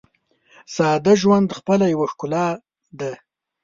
ساده ژوند خپله یوه ښکلا ده.